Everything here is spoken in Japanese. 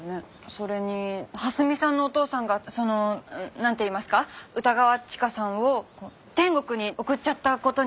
それに蓮見さんのお父さんがそのなんていいますか歌川チカさんを天国に送っちゃった事になってるんだし。